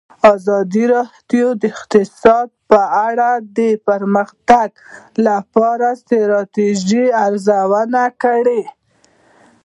ازادي راډیو د اقتصاد په اړه د پرمختګ لپاره د ستراتیژۍ ارزونه کړې.